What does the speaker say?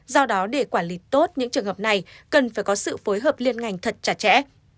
do đó để quản lý tốt những trường hợp này cần phải có sự phối hợp liên ngành thật chặt chẽ